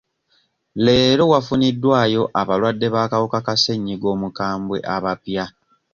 Leero wafuniddwayo abalwadde b'akawuka ka ssenyiga omukambwe abapya.